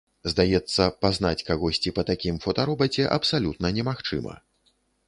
Здаецца, пазнаць кагосьці па такім фотаробаце абсалютна немагчыма.